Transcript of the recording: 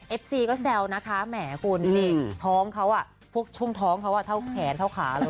ซีก็แซวนะคะแหมคุณนี่ท้องเขาพวกช่วงท้องเขาเท่าแขนเท่าขาเลย